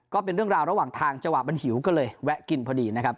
ก็เป็นเรื่องราวระหว่างทางจังหวะมันหิวก็เลยแวะกินพอดีนะครับ